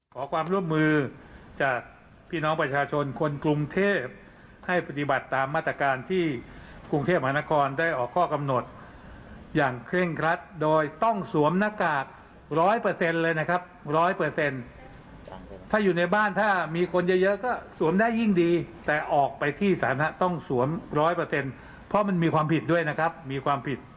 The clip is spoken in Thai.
ขอความร่วมมือจากพี่น้องประชาชนคนกรุงเทพให้ปฏิบัติตามมาตรการที่กรุงเทพมหานครได้ออกข้อกำหนดอย่างเคร่งครัดโดยต้องสวมหน้ากากร้อยเปอร์เซ็นต์เลยนะครับร้อยเปอร์เซ็นต์ถ้าอยู่ในบ้านถ้ามีคนเยอะก็สวมได้ยิ่งดีแต่ออกไปที่สถานะต้องสวมร้อยเปอร์เซ็นต์เพราะมันมีความผิดด้วยนะครับมีความผิด